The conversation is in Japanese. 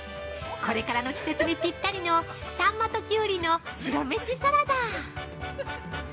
これからの季節にぴったりのさんまときゅうりの白飯サラダ。